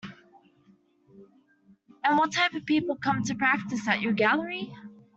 And what type of people come to practise at your gallery?